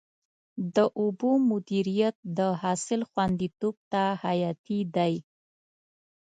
د اوبو مدیریت د حاصل خوندیتوب ته حیاتي دی.